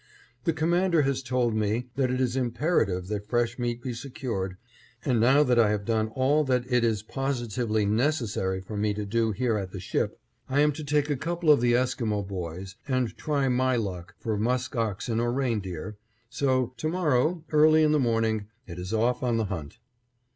The Commander has told me that it is imperative that fresh meat be secured, and now that I have done all that it is positively necessary for me to do here at the ship, I am to take a couple of the Esquimo boys and try my luck for musk oxen or reindeer, so to morrow, early in the morning, it is off on the hunt.